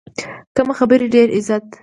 کم خبرې، ډېر عزت.